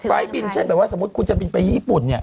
ไฟล์บินเช่นแบบว่าสมมุติคุณจะบินไปญี่ปุ่นเนี่ย